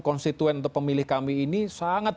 konstituen atau pemilih kami ini sangat